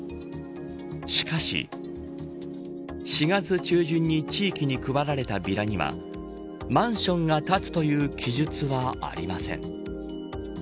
しかし４月中旬に地域に配られたビラにはマンションが建つという記述はありません。